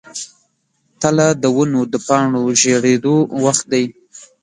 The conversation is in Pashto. تله د ونو د پاڼو ژیړیدو وخت دی.